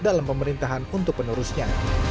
dalam pemerintahan untuk penerusnya